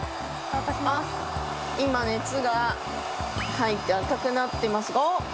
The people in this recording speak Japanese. あっ今熱が入って赤くなっていますが。